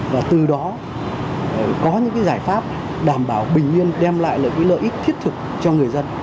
và từ đó có những giải pháp đảm bảo bình yên đem lại lợi ích thiết thực cho người dân